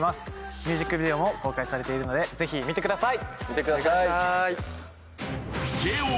ミュージックビデオも公開されているのでぜひ見てください。